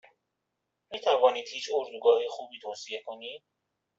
میتوانید هیچ اردوگاه خوبی توصیه کنید؟